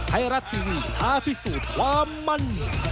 ไทยรัฐทีวีท้าพิสูจน์ความมั่น